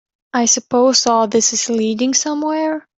I suppose all this is leading somewhere?